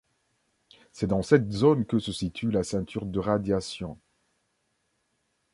C’est dans cette zone que se situe la ceinture de radiation.